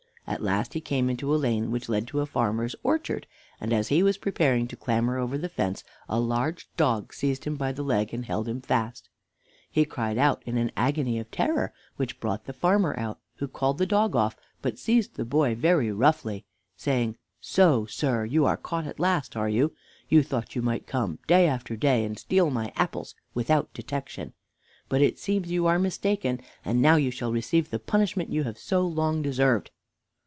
At last he came into a lane which led to a farmer's orchard, and as he was preparing to clamber over the fence a large dog seized him by the leg and held him fast. He cried out in an agony of terror, which brought the farmer out, who called the dog off, but seized the boy very roughly, saying: "So, sir, you are caught at last, are you? You thought you might come day after day and steal my apples without detection; but it seems you are mistaken, and now you shall receive the punishment you have so long deserved."